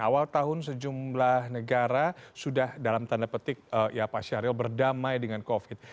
awal tahun sejumlah negara sudah dalam tanda petik ya pak syahril berdamai dengan covid